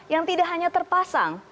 yang tidak hanya terpasang